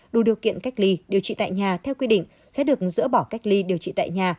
đủ điều kiện cách ly điều trị tại nhà theo quy định sẽ được dỡ bỏ cách ly điều trị tại nhà